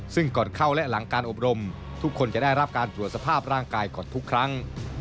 ซึ่งก่อนเข้าและหลังการอบรมทุกคนจะได้รับการตรวจสภาพร่างกายก่อนทุกครั้ง